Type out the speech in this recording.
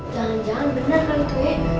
jalan jalan bener kali itu ya